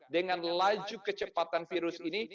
dengan laju kecepatan virus ini